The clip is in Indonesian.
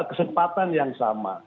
kesempatan yang sama